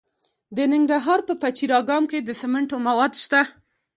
د ننګرهار په پچیر اګام کې د سمنټو مواد شته.